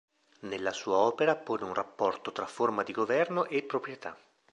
Nella sua opera pone un rapporto tra forma di governo e proprietà.